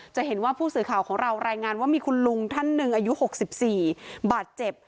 จะเห็นว่าผู้สื่อข่าวของเรารายงานว่ามีคุณลุงท่านหนึ่งอายุ๖๔บาดเจ็บ